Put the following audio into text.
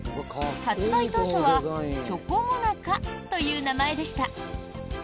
発売当初はチョコモナカという名前でした。